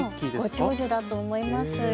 ご長寿だと思いますよ。